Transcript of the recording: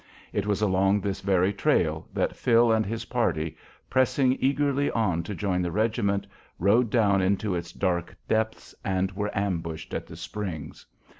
It was along this very trail that Phil and his party, pressing eagerly on to join the regiment, rode down into its dark depths and were ambushed at the Springs.